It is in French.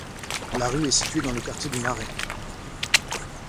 La rue est située dans le quartier du Marais.